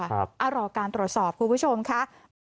เอารอการตรวจสอบคุณผู้ชมค่ะ